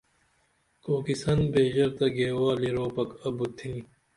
کوکیسن بیژر تہ گیوالی روپک ابُت تھنی